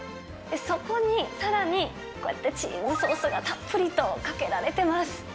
そこにさらに、こうやってチーズソースがたっぷりとかけられてます。